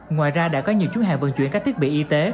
ngoài ra đã có nhiều chuyến hàng vận chuyển các thiết bị y tế